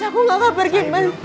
aku gak akan pergi